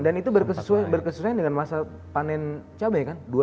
itu berkesesuaian dengan masa panen cabai kan